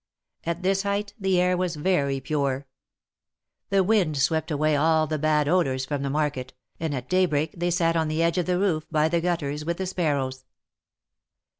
At this height the air was very pure. The wind swept away all the bad odors from the market, and at daybreak they sat on the edge of the roof, by the gutters, with the sparrows.